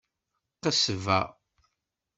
Qesba.